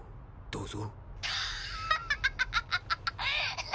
どうぞ。